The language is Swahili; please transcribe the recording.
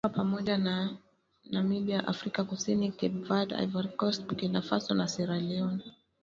ikiwa pamoja na Namibia Afrika kusini Cape Verde Ivory Coast Burkina Faso na Sierra Leone